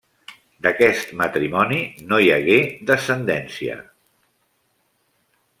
D'aquest matrimoni no hi hagué descendència.